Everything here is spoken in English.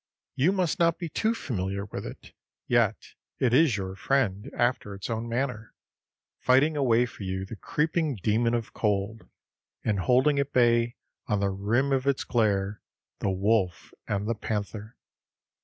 You must not be too familiar with it, yet it is your friend after its own manner, fighting away for you the creeping demon of cold, and holding at bay, on the rim of its glare, the wolf and the panther.